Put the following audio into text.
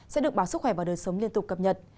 sẽ được báo sức khỏe và đời sống liên tục cập nhật